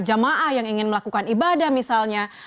jamaah yang ingin melakukan ibadah misalnya